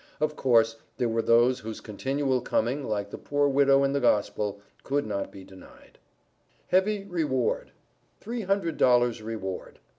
Of course, there were those whose continual coming, like the poor widow in the Gospel, could not be denied. HEAVY REWARD. THREE HUNDRED DOLLARS REWARD.